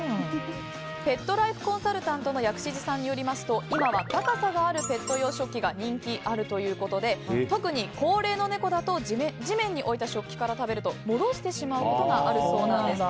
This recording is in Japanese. ペットライフコンサルタントの薬師寺さんによりますと今は高さがあるペット用食器が人気があるということで特に高齢の猫だと地面に置いた食器から食べると戻してしまうことがあるそうです。